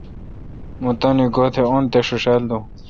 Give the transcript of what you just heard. مہ تانی گو°تہ ان تے°ݭیݭال دون۔